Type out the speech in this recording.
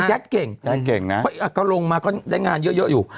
ไอ้แจ๊คเก่งก็ลงมาก็ได้งานเยอะอยู่